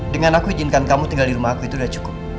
dengan aku izinkan kamu tinggal di rumah aku itu sudah cukup